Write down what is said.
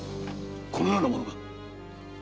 このような物が。